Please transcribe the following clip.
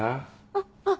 あっあっ。